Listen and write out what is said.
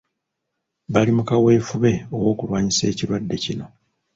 Bali mu kaweefube ow'okulwanyisa ekirwadde kino.